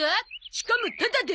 しかもタダで。